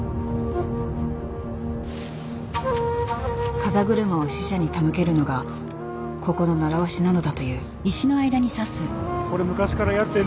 風車を死者に手向けるのがここの習わしなのだという。